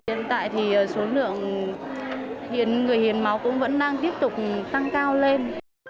hiện tại thì số lượng hiện người hiến máu cũng vẫn đang tiếp tục tăng cao lên